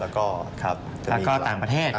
ครับผมแล้วก็ต่างประเทศ